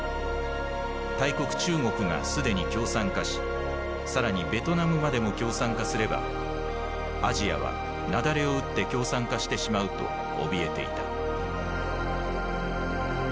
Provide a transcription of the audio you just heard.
「大国中国が既に共産化し更にベトナムまでも共産化すればアジアは雪崩を打って共産化してしまう」とおびえていた。